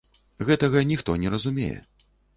Гэтага ніхто не зразумее.